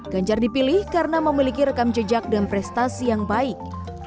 ganjar dipilih karena memiliki rekam jejak dan prestasi yang baik